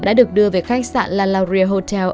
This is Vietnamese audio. đã được đưa về khách sạn la lauria hotel